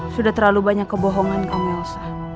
sudah terlalu banyak kebohongan kang elsa